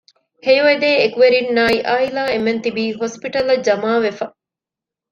ހެޔޮއެދޭ އެކުވެރިންނާއި އާއިލާ އެންމެންތިބީ ހޮސްޕިޓަލަށް ޖަމާވެފަ